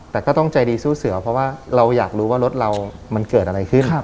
แต่ก็ต้องใจดีสู้เสือเพราะว่าเราอยากรู้ว่ารถเรามันเกิดอะไรขึ้น